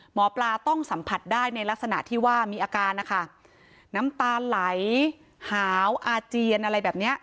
หมอปลาต้องสัมผัสได้ในลักษณะที่ว่ามีอาการนะคะน้ำตาไหลหาวอาเจียนอะไรแบบเนี้ย